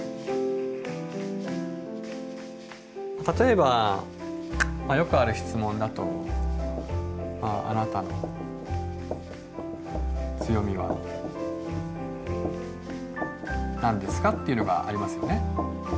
例えばまあよくある質問だとまあ「あなたの強みは何ですか？」っていうのがありますよね。